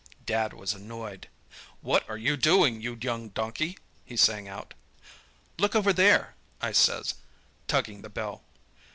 "Dad was annoyed. "'What are you doing, you young donkey?' he sang out. "'Look over there!' I says, tugging the bell.